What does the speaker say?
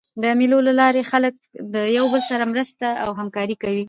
د مېلو له لاري خلک له یو بل سره مرسته او همکاري کوي.